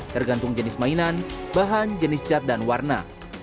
tergantung jenis mainan bahan jenis cat dan warna